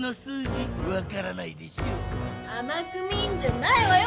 あまく見んじゃないわよ